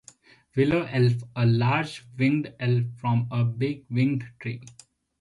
Willow Elf - A large winged elf from a big winged tree.